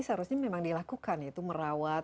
seharusnya memang dilakukan yaitu merawat